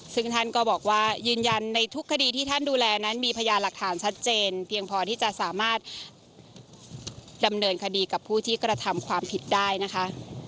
ซึ่งท่านก็บอกว่ายืนยันในทุกคดีที่ท่านดูแลนั้นมีพยานหลักฐานชัดเจนเพียงพอที่จะสามารถดำเนินคดีกับผู้ที่กระทำความผิดได้นะคะ